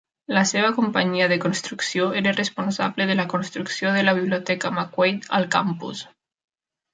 La seva companyia de construcció era responsable de la construcció de la Biblioteca McQuaid al campus.